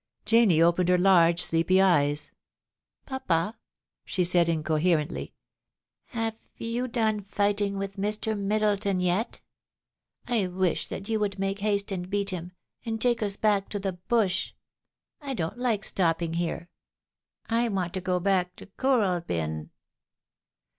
Janie opened her large, sleepy eyes. ' Papa,' she said incoherently, ' have you done fighting 426 POLICY AND PASSION. with Mr. Middleton yet ? I wish that you would make haste and beat him, and take us back to the Bush. I don't like stopping here. I want to go back to Kooralbyn.'